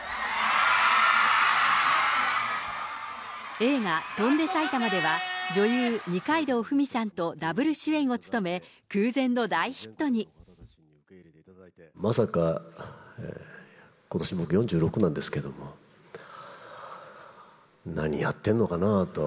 映画、翔んで埼玉では、女優、二階堂ふみさんとダブル主演を務め、まさか、ことし僕、４６なんですけれども、何やってんのかなあと。